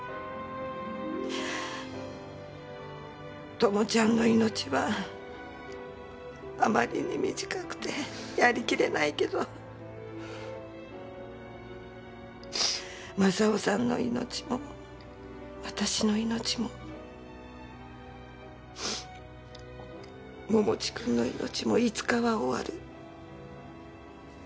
ともちゃんの命はあまりに短くてやりきれないけどマサオさんの命も私の命も桃地くんの命もいつかは終わる。